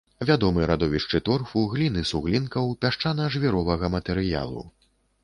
Вядомы радовішчы торфу, глін і суглінкаў, пясчана-жвіровага матэрыялу.